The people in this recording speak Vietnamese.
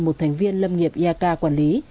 một thành viên lâm nghiệp iak quản lý